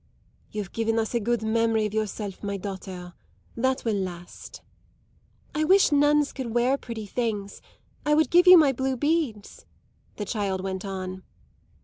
"You've given us a good memory of yourself, my daughter. That will last!" "I wish nuns could wear pretty things. I would give you my blue beads," the child went on.